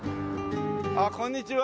あっこんにちは！